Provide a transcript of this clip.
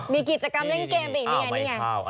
มีกิจกรรมเล่นเกมอีกอันนี้ใหม่ค่ะ